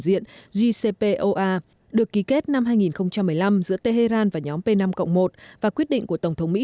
diệnpoa được ký kết năm hai nghìn một mươi năm giữa tehran và nhóm p năm một và quyết định của tổng thống mỹ